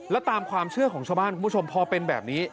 แล้วตามความเชื่อของชาวบ้านคุณผู้ชมพอเป็นแบบนี้